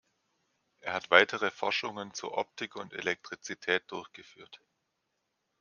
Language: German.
Er hat weitere Forschungen zur Optik und Elektrizität durchgeführt.